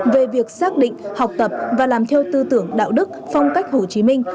về việc xác định học tập và làm theo tư tưởng đạo đức phong cách hồ chí minh